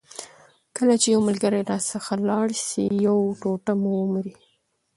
کله چي یو ملګری راڅخه لاړ سي یو ټوټه مو ومري.